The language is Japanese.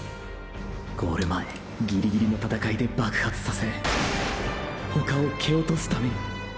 ゴール前ギリギリの闘いで爆発させ他を蹴落とすために。